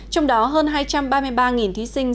trong đó hơn hai trăm ba mươi ba thí sinh